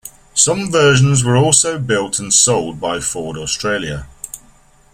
Some versions were also built and sold by Ford Australia.